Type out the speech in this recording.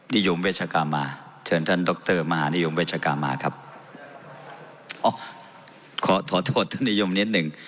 ได้แรงหนึ่ง